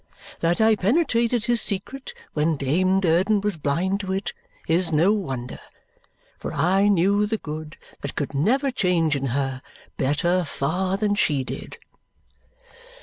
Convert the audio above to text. That I penetrated his secret when Dame Durden was blind to it is no wonder, for I knew the good that could never change in her better far than she did.